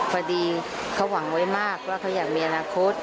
พอดีเขาหวังไว้มากว่าเขาอยากมีอนาคต